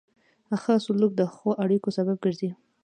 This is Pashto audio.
ښه سلوک د ښو اړیکو سبب ګرځي.